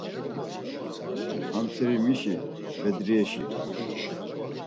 Ham seri mişi; Bedriyeşi.